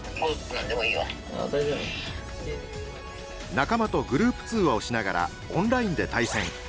仲間とグループ通話をしながらオンラインで対戦。